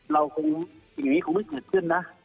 เราคงดูอย่างจะไม่ขนาดขึ้นนะ